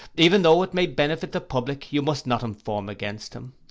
Even tho' it may benefit the public, you must not inform against him.